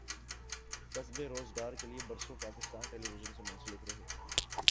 کسبِ روزگارکے لیے برسوں پاکستان ٹیلی وژن سے منسلک رہے